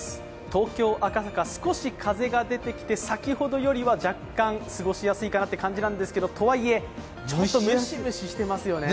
東京・赤坂、少し風が出てきて先ほどよりは若干過ごしやすいかなという感じですがとはいえ、蒸し蒸ししていますよね